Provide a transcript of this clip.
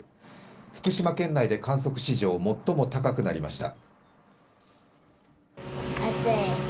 福島県内で、観測史上最も高くなりました。